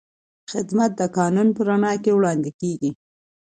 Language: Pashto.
خدمت د قانون په رڼا کې وړاندې کېږي.